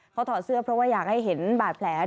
เขาถอดเสื้อเพราะว่าอยากให้เห็นบาดแผล